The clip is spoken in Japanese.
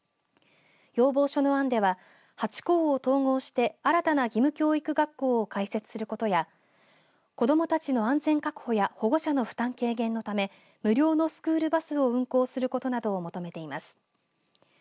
要望書の案では８校を統合して新たな義務教育学校を開設することや子どもたちの安全確保や保護者の負担軽減のため無料のスクールバスを運行することなどを求めています。